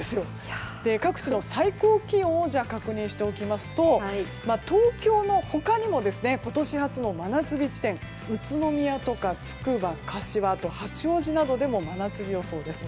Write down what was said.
各地の最高気温を確認しておきますと東京の他にも今年初の真夏日地点、宇都宮とか、つくば柏と八王子などでも真夏日予想です。